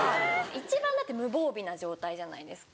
一番だって無防備な状態じゃないですか。